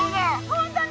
本当に？